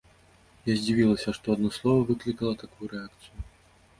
Я здзівілася, што адно слова выклікала такую рэакцыю.